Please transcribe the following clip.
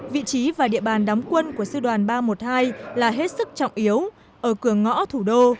vị trí và địa bàn đóng quân của sư đoàn ba trăm một mươi hai là hết sức trọng yếu ở cửa ngõ thủ đô